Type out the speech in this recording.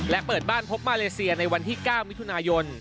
และเปิดบ้านพบมาเลเซียในวันที่๙มิถุนายน